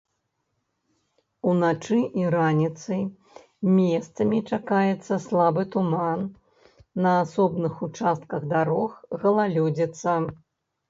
Уначы і раніцай месцамі чакаецца слабы туман, на асобных участках дарог галалёдзіца.